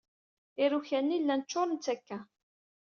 Iruka-nni llan ččuren d takka.